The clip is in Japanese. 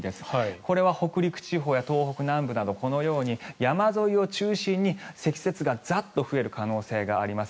これは北陸地方や東北南部などこのように山沿いを中心に積雪がザッと増える可能性があります。